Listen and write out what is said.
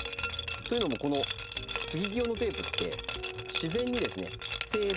というのもこの接ぎ木用のテープって自然にですね生分解ですね